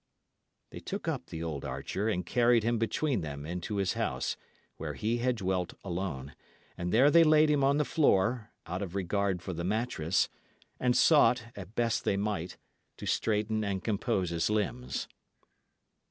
They took up the old archer, and carried him between them into his house, where he had dwelt alone. And there they laid him on the floor, out of regard for the mattress, and sought, as best they might, to straighten and compose his limbs.